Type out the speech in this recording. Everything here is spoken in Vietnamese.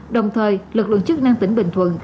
đồng thời lực lượng chức năng tỉnh bình thuận